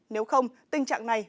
nếu không tình trạng này